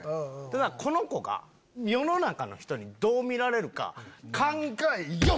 ただこの子が世の中の人にどう見られるか考えよ！